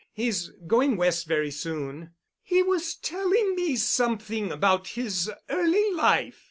He's going West very soon." "He was telling me something about his early life.